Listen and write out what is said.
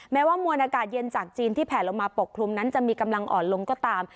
แม้ว่ามวลอากาศเย็นจากจีนที่แผลลงมาปกคลุมนั้นจะมีกำลังอ่อนลงก็ตาม